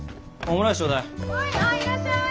オムライス。